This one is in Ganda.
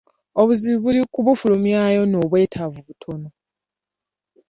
Obuzibu buli ku kufulumya nnyo ng'obwetaavu butono.